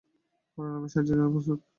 কারণ আমি সাহায্যের জন্য প্রস্তুত।